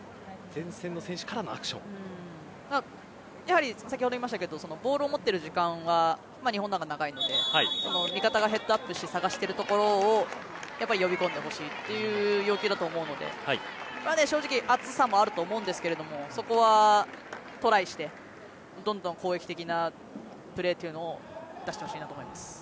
前線の選手からのアクション先ほど言いましたけどボールを持っている時間は日本の方が長いので見方がヘッドアップして探しているところをやっぱり呼び込んでほしいという要求だと思うので正直暑さもあると思うんですけどそこは、トライしてどんどん攻撃的なプレーというのを出してほしいなと思います。